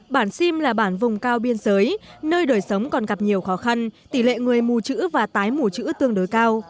bản sim là bản vùng cao biên giới nơi đời sống còn gặp nhiều khó khăn tỷ lệ người mù chữ và tái mù chữ tương đối cao